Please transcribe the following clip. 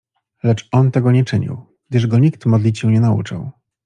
"Lecz on tego nie czynił, gdyż go nikt modlić się nie nauczył."